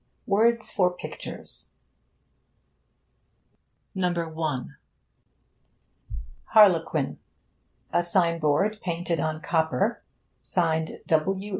WORDS FOR PICTURES 'HARLEQUIN' A SIGN BOARD, PAINTED ON COPPER, SIGNED 'W.